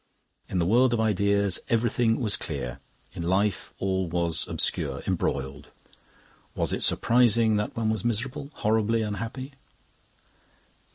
In the world of ideas everything was clear; in life all was obscure, embroiled. Was it surprising that one was miserable, horribly unhappy?